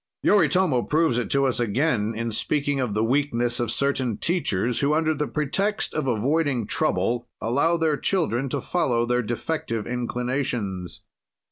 Yoritomo proves it to us again, in speaking of the weakness of certain teachers, who, under the pretext of avoiding trouble, allow their children to follow their defective inclinations.